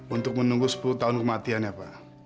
untuk menunggu sepuluh tahun kematiannya pak